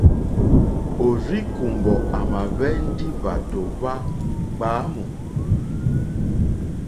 Òrzíkùmbɔ̀ à mà hwɛ́ ndí hwàtò hwá gbǎmù.